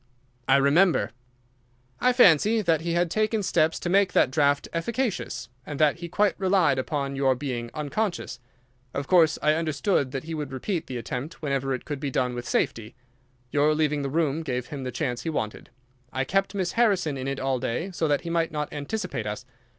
"I remember." "I fancy that he had taken steps to make that draught efficacious, and that he quite relied upon your being unconscious. Of course, I understood that he would repeat the attempt whenever it could be done with safety. Your leaving the room gave him the chance he wanted. I kept Miss Harrison in it all day so that he might not anticipate us.